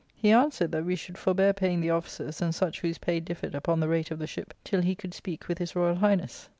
He answered that we should forbear paying the officers and such whose pay differed upon the rate of the ship, till he could speak with his Royal Highness.